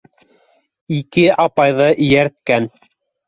Ике апайҙы эйәрткән.